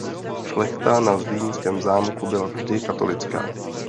Šlechta na zlínském zámku byla vždy katolická.